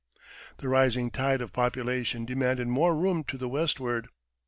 The rising tide of population demanded more room to the westward.